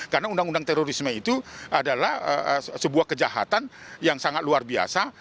karena undang undang terorisme itu adalah sebuah kejahatan yang sangat luar biasa